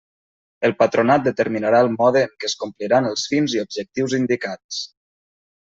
El Patronat determinarà el mode en què es compliran els fins i objectius indicats.